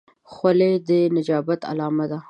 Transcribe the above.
خولۍ د نجابت علامه ده.